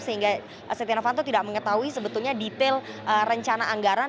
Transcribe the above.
sehingga setia novanto tidak mengetahui sebetulnya detail rencana anggaran